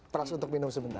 pras untuk minum sebentar